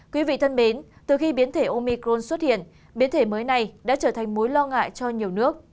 quý vị thân mến từ khi biến thể omicron xuất hiện biến thể mới này đã trở thành mối lo ngại cho nhiều nước